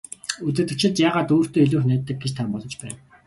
Удирдагчид яагаад өөртөө илүү их найддаг гэж та бодож байна?